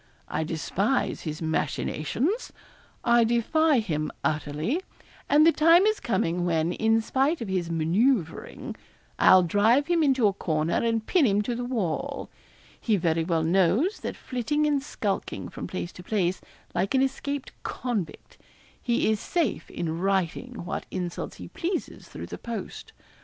I despise his machinations. I defy him utterly; and the time is coming when, in spite of his manoeuvring, I'll drive him into a corner and pin him to the wall. He very well knows that flitting and skulking from place to place, like an escaped convict, he is safe in writing what insults he pleases through the post.